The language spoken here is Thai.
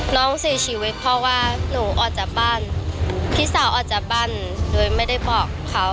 น้องเสียชีวิตเพราะว่าหนูออกจากบ้านพี่สาวออกจากบ้านโดยไม่ได้บอกเขา